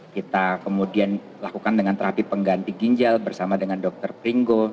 kita kemudian lakukan dengan terapi pengganti ginjal bersama dengan dokter pringgo